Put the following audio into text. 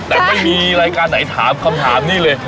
แต่ไม่มีรายการไหนถามคำถามนี่เลย